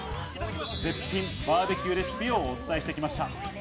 絶品バーベキューレシピをお伝えしてきました。